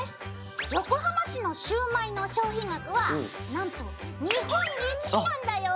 横浜市のシュウマイの消費額はなんと日本一なんだよ！